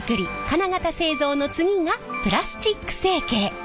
金型製造の次がプラスチック成形。